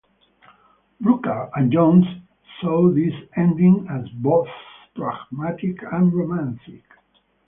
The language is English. Brooker and Jones saw this ending as both pragmatic and romantic.